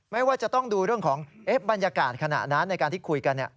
ว่าจะต้องดูเรื่องของบรรยากาศขณะนั้นในการที่คุยกัน